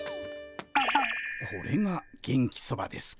これが元気そばですか。